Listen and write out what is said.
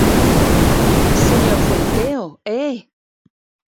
Señor Centeo, ¡eh!